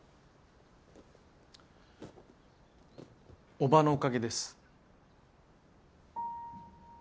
叔母のおかげです。